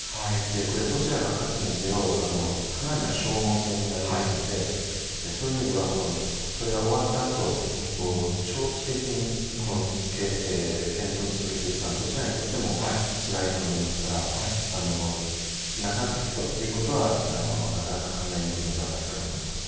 これ、どちらが勝つにせよ、かなりの消耗戦になりますので、そういう意味では、それが終わったあと、長期的に戦闘を続けていくのは、どちらにとってもつらいと思いますから、長引くということはなかなか考えにくいのではないかと思います。